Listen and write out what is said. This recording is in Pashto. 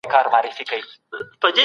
که انلاین ټولګي منظم وي، ذهن نه ګډوډېږي.